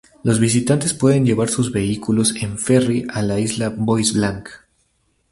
Los visitantes pueden llevar sus vehículos en ferry a la isla Bois Blanc.